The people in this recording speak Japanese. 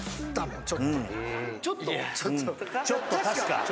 ちょっと確か。